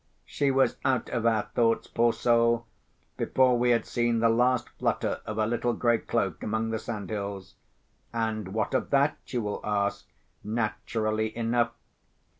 She was out of our thoughts, poor soul, before we had seen the last flutter of her little grey cloak among the sandhills. And what of that? you will ask, naturally enough.